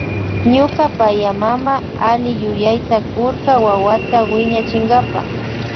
Ñuka payamama alliyuyayta kurka wawata wiñachinkapa.